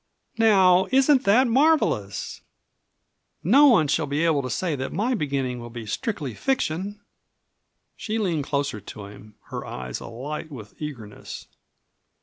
"Now, isn't that marvelous? No one shall be able to say that my beginning will be strictly fiction." She leaned closer to him, her eyes alight with eagerness.